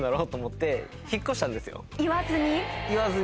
言わずに？